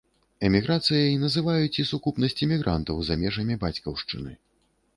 Эміграцыяй называюць і сукупнасць эмігрантаў за межамі бацькаўшчыны.